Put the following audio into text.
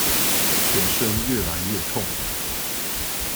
全身越來越痛